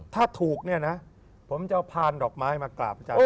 ถ้าถูกเนี่ยนะผมจะเอาพานดอกไม้มากราบพระอาจารย์